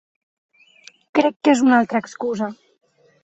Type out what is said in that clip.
Crec que és una altra excusa.